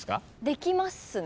できますね。